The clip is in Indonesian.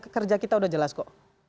kerja kita udah jelas kok